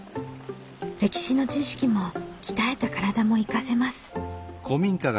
歴史の知識も鍛えた体も生かせます。